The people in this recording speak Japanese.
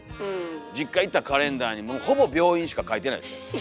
実家行ったらカレンダーにほぼ病院しか書いてない。